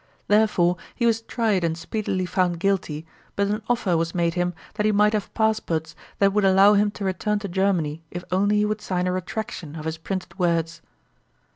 Therefore he was tried and speedily found guilty, but an offer was made him that he might have passports that would allow him to return to Germany if only he would sign a retraction of his printed words.